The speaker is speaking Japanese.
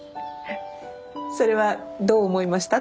それはどう思いました？